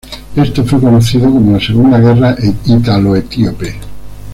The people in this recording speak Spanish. Esto fue conocido como la Segunda Guerra Italo-Etíope.